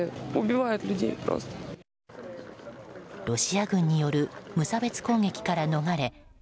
ロシア軍による無差別攻撃から逃れ